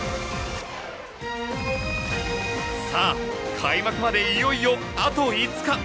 さあ開幕までいよいよあと５日。